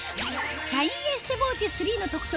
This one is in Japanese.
シャインエステボーテ３の特徴